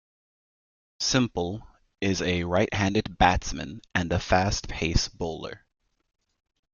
Semple is a right-handed batsman and a fast pace bowler.